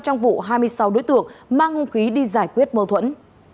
trong vụ hai mươi sáu đối tượng mang hung khí đi giải quyết mâu thuẫn